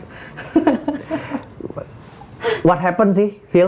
apa yang terjadi sih